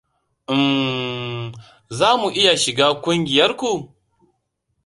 Um... za mu iya shiga kungiyarku?